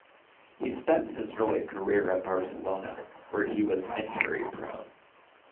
He spent his early career at Barcelona, where he was injury-prone.